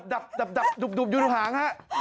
ดับอยู่ทาง